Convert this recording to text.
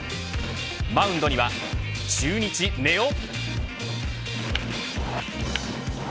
マウンドには中日、根尾。